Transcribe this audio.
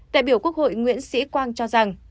đại biểu quốc hội nguyễn sĩ quang cho rằng